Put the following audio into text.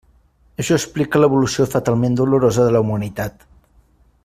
Això explica l'evolució fatalment dolorosa de la humanitat.